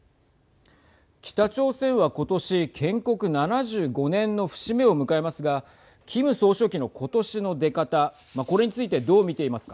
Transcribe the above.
北朝鮮は今年建国７５年の節目を迎えますがキム総書記の今年の出方これについてどう見ていますか。